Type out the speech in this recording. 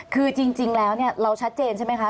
คือจริงแล้วเราชัดเจนใช่ไหมคะ